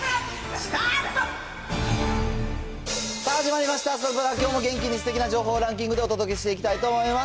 さあ、始まりました、サタプラ、きょうも元気にすてきな情報をランキングでお届けしていきたいと思います。